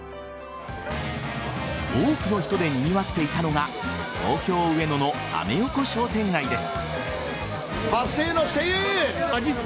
多くの人でにぎわっていたのが東京・上野のアメ横商店街です。